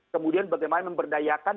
kemudian bagaimana memberdayakan